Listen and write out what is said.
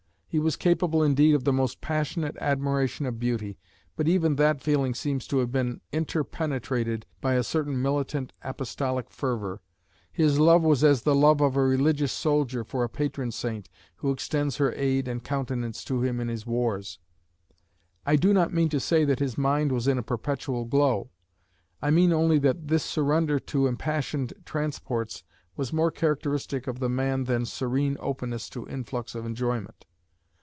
He was capable indeed of the most passionate admiration of beauty, but even that feeling seems to have been interpenetrated by a certain militant apostolic fervor; his love was as the love of a religious soldier for a patron saint who extends her aid and countenance to him in his wars. I do not mean to say that his mind was in a perpetual glow: I mean only that this surrender to impassioned transports was more characteristic of the man than serene openness to influx of enjoyment.